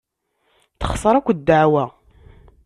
Texṣer akk ddeɛwa.